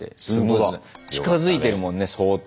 近づいてるもんね相当。